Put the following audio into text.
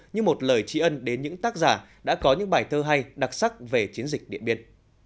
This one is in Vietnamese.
như một lời tri ân đến những tác giả đã có những bài thơ hay đặc sắc về chiến dịch điện biên